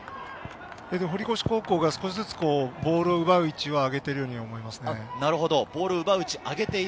堀越高校が少しずつボールを奪う位置を上げてるように思います。